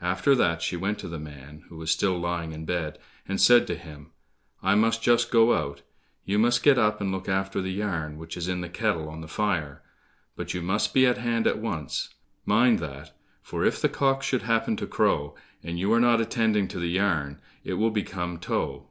After that she went to the man who was still lying in bed, and said to him, "I must just go out, you must get up and look after the yarn which is in the kettle on the fire, but you must be at hand at once; mind that, for if the cock should happen to crow, and you are not attending to the yarn, it will become tow."